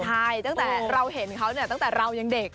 ใช่ตั้งแต่เราเห็นเขาเนี่ยตั้งแต่เรายังเด็ก